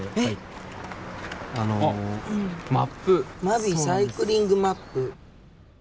真備サイクリングマップ。